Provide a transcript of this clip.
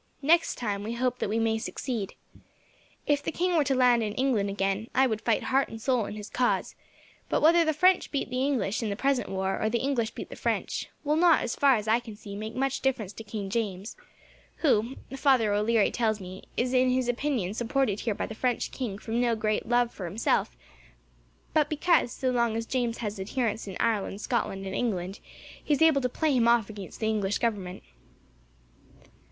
Next time, we hope that we may succeed. If the king were to land in England again, I would fight heart and soul in his cause; but whether the French beat the English, in the present war, or the English beat the French, will not, as far as I can see, make much difference to King James; who, Father O'Leary tells me, is, in his opinion, supported here by the French king from no great love for himself, but because, so long as James has adherents in Ireland, Scotland, and England, he is able to play him off against the English Government."